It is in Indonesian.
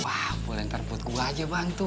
wah boleh ntar buat gue aja bang tuh